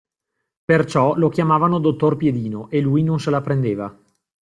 Perciò lo chiamavano dottor piedino, e lui non se la prendeva